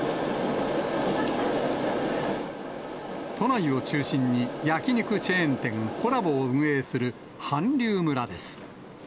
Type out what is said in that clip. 都内を中心に焼き肉チェーン店、コラボを運営する韓流村です。